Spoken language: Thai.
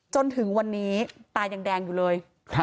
จนถึงวันนี้ตายังแดงอยู่เลย